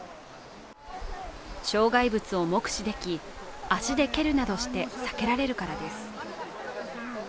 障害物を目視でき、足で蹴るなどして避けられるからです。